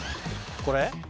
これ？